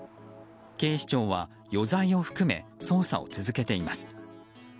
警視庁は余罪を含め捜査を続けています。